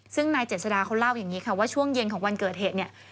ซึ่งนายเจษฎาเขาเล่าอย่างนี้ค่ะว่าช่วงเย็นของวันเกิดเหตุเนี่ย